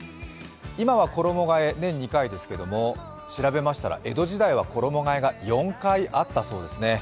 今は衣がえ、年に２回ですけれども、調べましたら江戸時代は衣がえが４回あったそうですね。